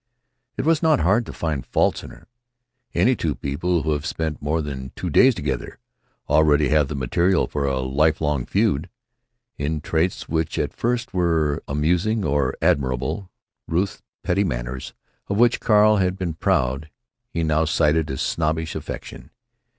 It was not hard to find faults in her. Any two people who have spent more than two days together already have the material for a life long feud, in traits which at first were amusing or admirable. Ruth's pretty manners, of which Carl had been proud, he now cited as snobbish affectation.